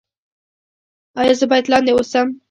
ایا زه باید لاندې اوسم؟